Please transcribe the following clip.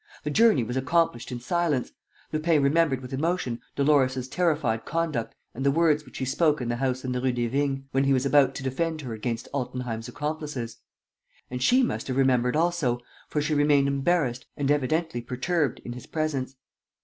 The journey was accomplished in silence, Lupin remembered with emotion Dolores's terrified conduct and the words which she spoke in the house in the Rue des Vignes, when he was about to defend her against Altenheim's accomplices. And she must have remembered also, for she remained embarrassed and evidently perturbed in his presence.